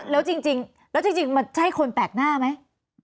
แล้วจริงมันใช่คนแปลกหน้าไหม